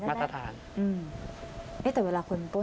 มาตรฐาน